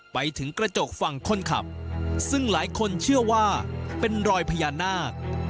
ไปถึงกระจกฝั่งคนขับซึ่งหลายคนเชื่อว่าเป็นรอยพญานาค